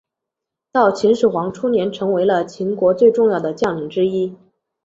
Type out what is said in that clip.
到秦始皇初年成为了秦国最重要的将领之一。